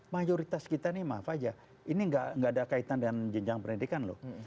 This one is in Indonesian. mayoritas kita nih maaf aja ini nggak ada kaitan dengan jenjang pendidikan loh